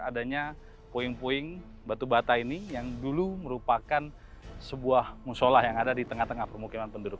adanya puing puing batu bata ini yang dulu merupakan sebuah musola yang ada di tengah tengah pemukiman penduduk